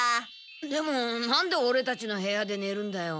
でもなんでオレたちの部屋でねるんだよ。